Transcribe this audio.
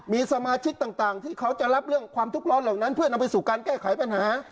มีสมาชิกต่างที่เขาจะรับเรื่องความทุกข์ร้อนเหล่านั้นเพื่อนำไปสู่การแก้ไขปัญหา